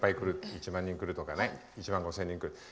１万人とか１万５０００人とか来る。